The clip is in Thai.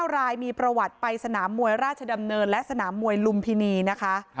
รายมีประวัติไปสนามมวยราชดำเนินและสนามมวยลุมพินีนะคะ